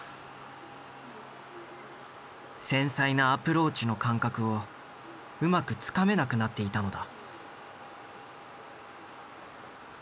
繊細なアプローチの感覚をうまくつかめなくなっていたのだ。